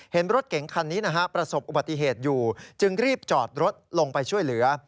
เห็นรถเก๋งคันนี้นะฮะประสบอุบัติเหตุอยู่จึงรีบจอดรถลงไปช่วยเหลือ